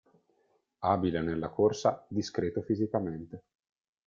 Abile nella corsa, discreto fisicamente.